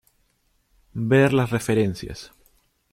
Ver las referencias.